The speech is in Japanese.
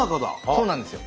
そうなんですよ。